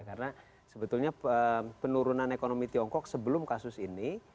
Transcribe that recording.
karena sebetulnya penurunan ekonomi tiongkok sebelum kasus ini